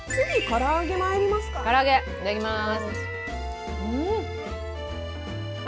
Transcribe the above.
唐揚げ、いただきます。